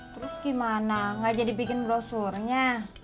terus gimana gak jadi bikin brosurnya